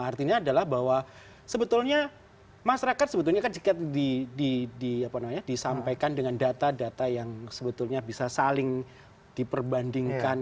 artinya adalah bahwa sebetulnya masyarakat sebetulnya kan jika disampaikan dengan data data yang sebetulnya bisa saling diperbandingkan